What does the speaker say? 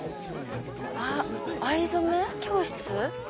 あっ藍染教室？